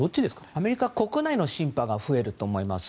アメリカ国内のシンパは増えると思います。